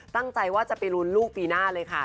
ตั้งใจว่าจะไปรุนลูกปีหน้าเลยค่ะ